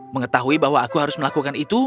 mengetahui bahwa aku harus melakukan itu